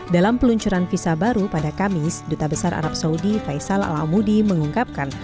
dalam peluncuran visa baru pada kamis duta besar arab saudi faisal al amudi mengungkapkan